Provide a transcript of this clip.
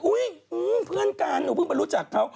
เพื่อนกันหนูเพิ่งไปรู้จักเขา